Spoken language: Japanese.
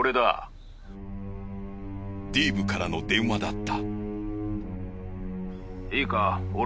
デイブからの電話だった。